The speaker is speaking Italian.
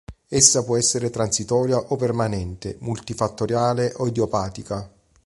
Essa può essere transitoria o permanente, multifattoriale o idiopatica.